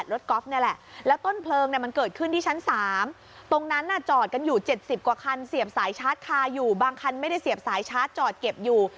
รอปภอยู่บางคันไม่ได้เสียบสายชาร์จจอดเก็บอยู่